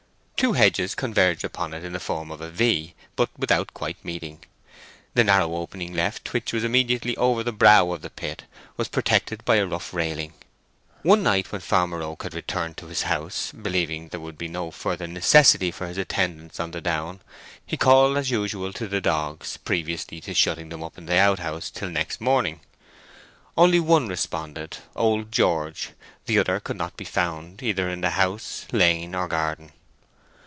Two hedges converged upon it in the form of a V, but without quite meeting. The narrow opening left, which was immediately over the brow of the pit, was protected by a rough railing. One night, when Farmer Oak had returned to his house, believing there would be no further necessity for his attendance on the down, he called as usual to the dogs, previously to shutting them up in the outhouse till next morning. Only one responded—old George; the other could not be found, either in the house, lane, or garden.